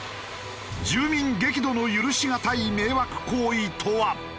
住民激怒の許しがたい迷惑行為とは？